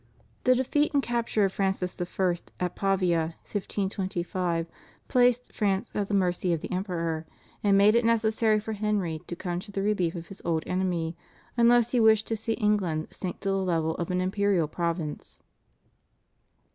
The defeat and capture of Francis I. at Pavia (1525) placed France at the mercy of the Emperor, and made it necessary for Henry to come to the relief of his old enemy unless he wished to see England sink to the level of an imperial province.